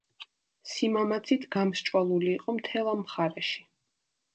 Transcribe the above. სიმამაცით გამსჭვალული იყო მთელ ამ მხარეში.